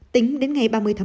tính đến ngày ba mươi tháng